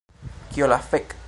Kio la fek'